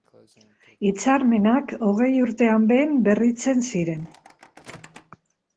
Hitzarmenak hogei urtean behin berritzen ziren.